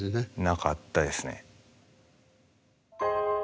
なかったですね。